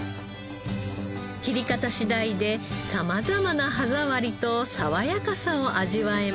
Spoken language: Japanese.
切り方次第で様々な歯触りと爽やかさを味わえます。